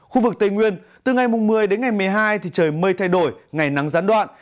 khu vực tây nguyên từ ngày một mươi đến ngày một mươi hai thì trời mây thay đổi ngày nắng gián đoạn